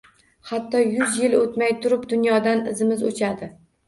Hatto yuz yil oʻtmay turib, dunyodan izimiz oʻchadi